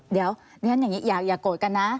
เดี๋ยวอย่าโกรธกันนะ